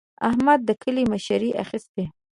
احمد د کلي مشري اخېستې.